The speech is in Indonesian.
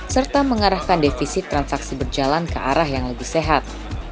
serta mengarahkan defisit transaksi berjalan ke arah yang lebih sehat